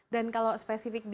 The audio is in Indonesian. dan kalau spesifik di